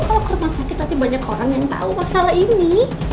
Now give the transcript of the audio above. kalau kurang sakit nanti banyak orang yang tau masalah ini